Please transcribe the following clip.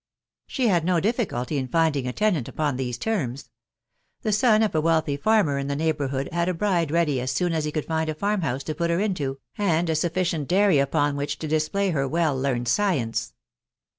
She had no difficulty in rinding a tenant upon these terms : the son of a wealthy farmer in the neighbourhood had a bride ready as soon as he could find a farm house to put her into, and a sufficient dairy upon which to display her well learned science.